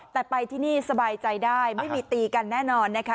แต่ไปที่นี่สบายใจได้ไม่มีตีกันแน่นอนนะคะ